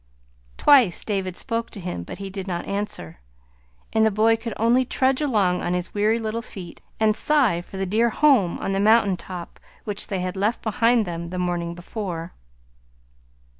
Twice David spoke to him, but he did not answer; and the boy could only trudge along on his weary little feet and sigh for the dear home on the mountain top which they had left behind them the morning before.